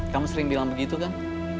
kamu sering bilang begitu kan